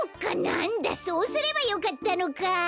なんだそうすればよかったのか。